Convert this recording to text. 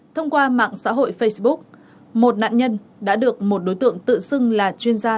thông qua mạng xã hội facebook một nạn nhân đã được một đối tượng tự xưng là chuyên gia